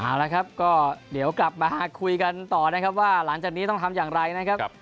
เอาละครับก็เดี๋ยวกลับมาคุยกันต่อนะครับว่าหลังจากนี้ต้องทำอย่างไรนะครับ